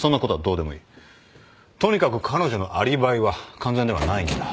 とにかく彼女のアリバイは完全ではないんだ。